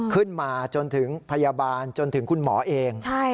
ขึ้นมาจนถึงพยาบาลจนถึงคุณหมอเอง